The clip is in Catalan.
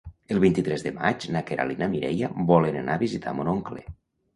El vint-i-tres de maig na Queralt i na Mireia volen anar a visitar mon oncle.